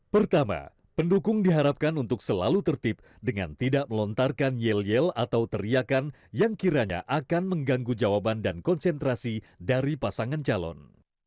pertama pendukung diharapkan untuk selalu tertib dengan tidak melontarkan yel yel atau teriakan yang kiranya akan mengganggu jawaban dan konsentrasi dari pasangan calon